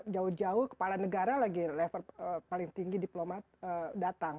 jauh jauh kepala negara lagi level paling tinggi diplomat datang